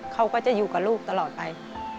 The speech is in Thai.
เขาก็จะอยู่กับลูกตลอดไป